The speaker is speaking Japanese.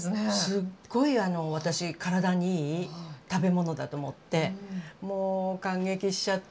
すっごい私体にいい食べ物だと思ってもう感激しちゃって。